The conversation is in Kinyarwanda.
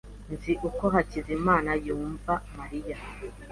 Nzi uko Hakizimana yumva Mariya.